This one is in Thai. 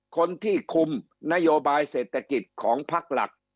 คนที่คุมนโยบายเศรษฐกิจของพักหลัก